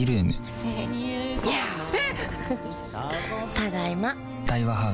ただいま。